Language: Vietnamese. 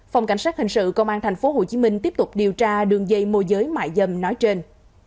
phòng cảnh sát hình sự công an tp hcm tiếp tục điều tra đường dây mô giới mại dâm nói trên